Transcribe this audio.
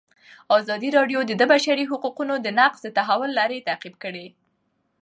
ازادي راډیو د د بشري حقونو نقض د تحول لړۍ تعقیب کړې.